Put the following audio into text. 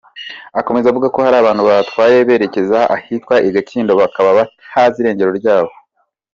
Akomeza avuga ko hari abantu batwaye baberekeza ahitwa i Gatindo bakaba batazi irengero ryabo.